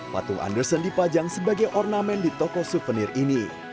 patung anderson dipajang sebagai ornamen di toko souvenir ini